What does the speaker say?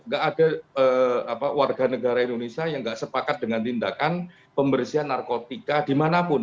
gak ada warga negara indonesia yang nggak sepakat dengan tindakan pembersihan narkotika dimanapun